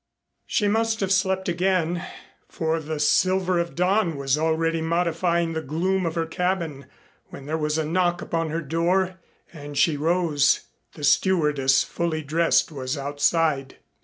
She must have slept again, for the silver of dawn was already modifying the gloom of her cabin when there was a knock upon her door and she rose. The stewardess fully dressed was outside.